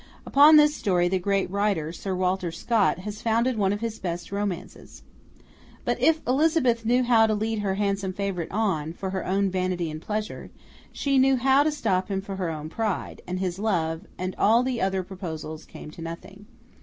Upon this story, the great writer, Sir Walter Scott, has founded one of his best romances. But if Elizabeth knew how to lead her handsome favourite on, for her own vanity and pleasure, she knew how to stop him for her own pride; and his love, and all the other proposals, came to nothing.